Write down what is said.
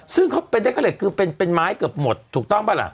ซึ่งเขาเป็นเด็กเกอเล็กคือเป็นไม้เกือบหมดถูกต้องป่ะล่ะ